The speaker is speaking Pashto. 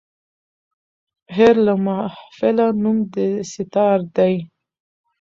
هېر له محفله نوم د سیتار دی